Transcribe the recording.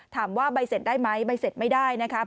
ถามว่าใบเสร็จได้ไหมใบเสร็จไม่ได้นะครับ